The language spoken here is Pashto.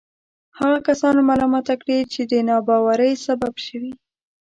هغه کسان ملامته کړي چې د ناباورۍ سبب شوي.